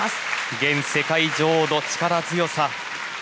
現世界女王の力強さ。